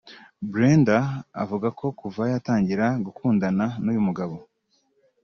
Brenda avuga ko kuva yatangira gukundana n’uyu mugabo